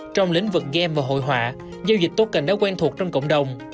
trong lĩnh vực game và hội họa giao dịch token đã quen thuộc trong cộng đồng